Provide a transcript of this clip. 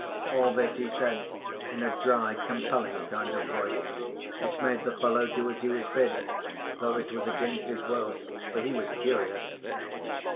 All this he said in a dry, compelling kind of voice which made the fellow do as he was bid, though it was against his will, for he was curious.